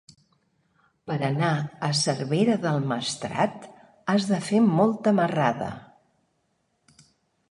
Per anar a Cervera del Maestrat has de fer molta marrada.